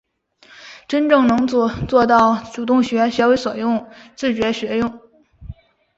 真正做到主动学、学为所用、自觉学用